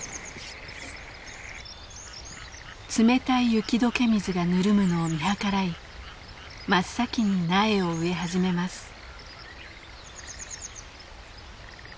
冷たい雪解け水がぬるむのを見計らい真っ先に苗を植え始めます。